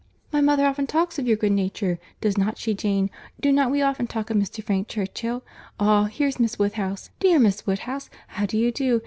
My mother often talks of your good nature. Does not she, Jane?—Do not we often talk of Mr. Frank Churchill?—Ah! here's Miss Woodhouse.—Dear Miss Woodhouse, how do you do?